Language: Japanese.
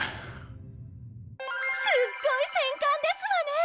すっごい戦艦ですわね！